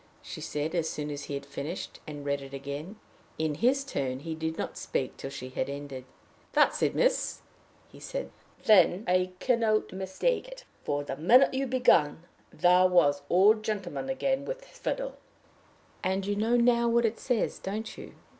she said, as soon as he had finished and read it again. In his turn he did not speak till she had ended. "That's it, miss," he said then; "I can't mistake it; for, the minute you began, there was the old gentleman again with his fiddle." "And you know now what it says, don't you?"